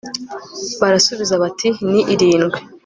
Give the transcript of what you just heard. barasubiza bati ni irindwi